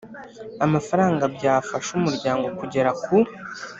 amafaranga byafasha umuryango kugera ku